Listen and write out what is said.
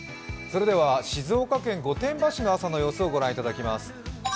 静岡県御殿場市の朝の様子をご覧いただきます。